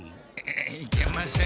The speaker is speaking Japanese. いけません。